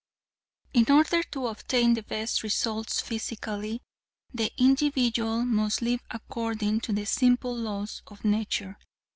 "In order to obtain the best results physically, the individual must live according to the simple laws of nature.